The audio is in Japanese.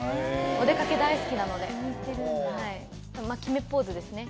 お出かけ大好きなのでまあ決めポーズですね